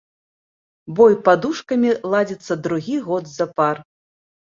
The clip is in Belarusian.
Бой падушкамі ладзіцца другі год запар.